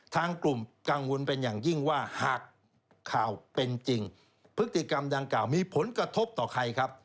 ทางกลุ่มกังวลเป็นอย่างยิ่งว่าหากข่าวเป็นจริงพฤติกรรมดังกล่าวมีผลกระทบต่อใครครับ